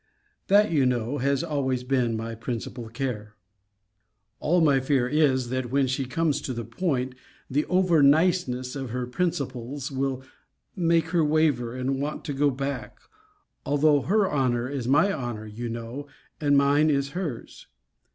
That, you know, has always been my principal care. All my fear is, that, when she comes to the point, the over niceness of her principles will make her waver, and want to go back: although her honour is my honour, you know, and mine is her's.